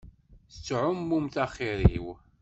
Tettɛummumt axiṛ-iw.